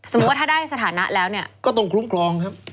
ว่าถ้าได้สถานะแล้วเนี่ยก็ต้องคุ้มครองครับ